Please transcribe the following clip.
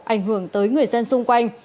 ảnh hưởng tới người dân xung quanh